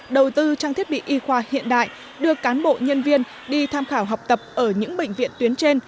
đầu tư trang thiết bị y khoa hiện đại đưa cán bộ nhân viên đi tham khảo học tập ở những bệnh viện tuyến trên